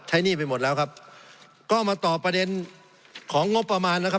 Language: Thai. หนี้ไปหมดแล้วครับก็มาตอบประเด็นของงบประมาณนะครับ